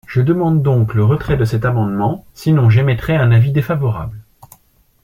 Je demande donc le retrait de cet amendement, sinon j’émettrais un avis défavorable.